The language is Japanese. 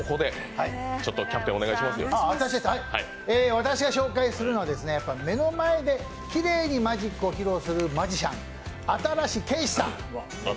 私が紹介するのは目の前できれいにマジックを披露するマジシャン・新子景視さん。